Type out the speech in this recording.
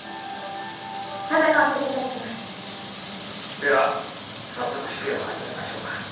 では早速試験を始めましょうか。